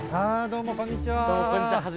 どうもこんにちは。